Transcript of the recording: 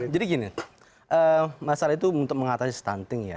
gini masalah itu untuk mengatasi stunting ya